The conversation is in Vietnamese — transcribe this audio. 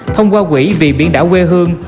thông qua quỹ vì biển đảo quê hương